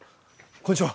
こんにちは。